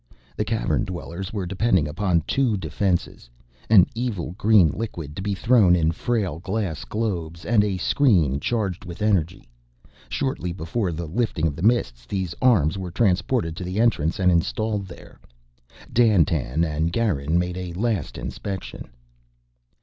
The Cavern dwellers were depending upon two defenses: an evil green liquid, to be thrown in frail glass globes, and a screen charged with energy. Shortly before the lifting of the Mists, these arms were transported to the entrance and installed there. Dandtan and Garin made a last inspection.